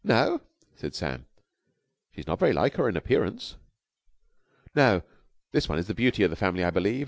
"No?" said Sam. "She is not very like her in appearance." "No. This one is the beauty of the family, I believe.